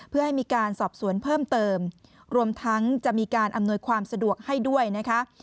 เพื่อให้มีการสอบสวนเพิ่มเติมรวมทั้งจะมีการอำนวยความสะดวกให้ด้วยนะคะ